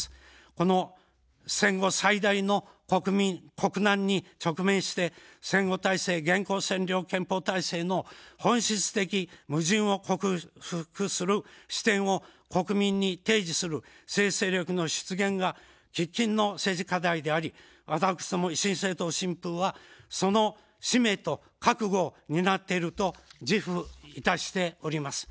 この戦後最大の国難に直面して、戦後体制現行占領憲法体制の本質的矛盾を克服する視点を国民に提示する政治勢力の出現が喫緊の政治課題であり、私ども維新政党・新風はその使命と覚悟を担っていると自負いたしております。